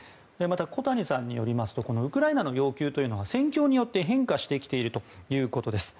小谷さんによりますとウクライナの要求は戦況によって変化してきているということです。